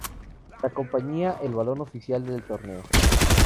Lo acompaña el balón oficial del torneo.